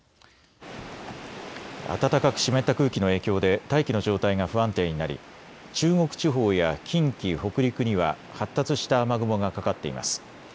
暖かく湿った空気の影響で大気の状態が不安定になり中国地方や近畿、北陸には発達した雨雲がかかっています。